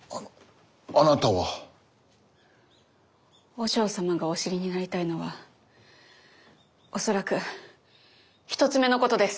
和尚様がお知りになりたいのは恐らく一つ目のことです。